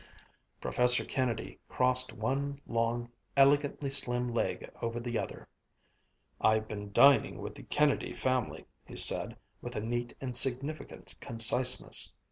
Professor Kennedy crossed one long, elegantly slim leg over the other, "I've been dining with the Kennedy family," he said, with a neat and significant conciseness.